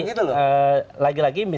supaya clear juga